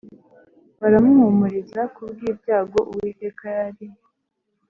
Baramuhumuriza ku bw ibyago uwiteka yari